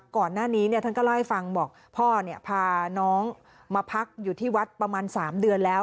ก่อนหน้านี้ท่านก็เล่าให้ฟังบอกพ่อพาน้องมาพักอยู่ที่วัดประมาณ๓เดือนแล้ว